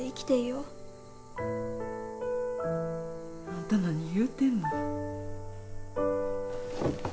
あんた何言うてんの？